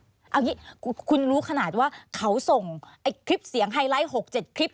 เอาอย่างนี้คุณรู้ขนาดว่าเขาส่งคลิปเสียงไฮไลท์๖๗คลิป